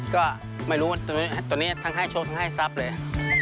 ก็ไม่รู้ตอนนี้ทั้งให้โชคทั้งให้ทรัพย์เลย